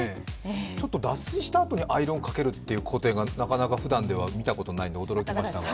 ちょっと脱水したあとにアイロンをかけるという工程がなかなかふだん見ないんですが。